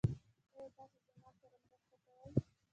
ایا تاسو زما سره مرسته کوئ؟